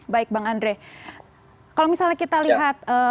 baik bang andre kalau misalnya kita lihat